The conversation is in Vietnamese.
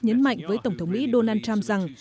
nhấn mạnh với tổng thống mỹ donald trump rằng